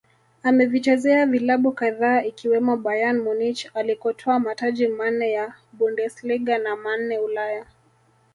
Amevichezea vilabu kadhaa ikiwemo Bayern Munich alikotwaa mataji manne ya Bundersliga na manne Ulaya